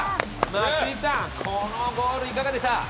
松井さん、このゴールいかがですか？